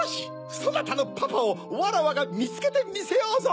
そなたのパパをわらわがみつけてみせようぞ！